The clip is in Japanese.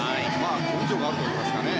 根性があるといいますかね。